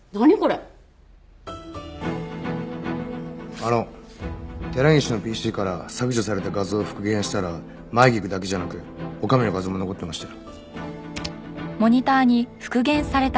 あの寺西のＰＣから削除された画像を復元したら舞菊だけじゃなく女将の画像も残ってましたよ。